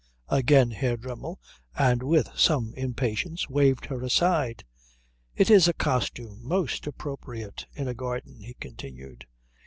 Again Herr Dremmel, and with some impatience, waved her aside. "It is a costume most appropriate in a garden," he continued.